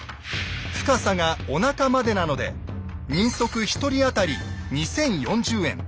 深さがおなかまでなので人足１人当たり２，０４０円。